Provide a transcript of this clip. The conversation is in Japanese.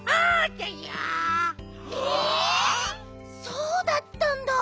そうだったんだ！